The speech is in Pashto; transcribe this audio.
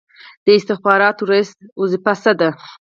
د استخباراتو رییس دنده څه ده؟